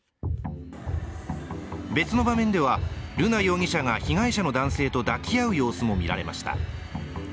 別の画面では、瑠奈容疑者が被害者の男性と抱き合う様子も見られました。